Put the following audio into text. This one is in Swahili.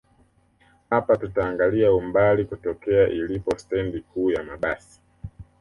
Hapa tutaangalia umbali kutokea ilipo stendi kuu ya mabasi